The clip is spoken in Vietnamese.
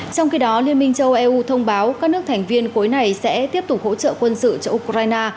trong khi đó liên minh châu eu thông báo các nước thành viên khối này sẽ tiếp tục hỗ trợ quân sự cho ukraine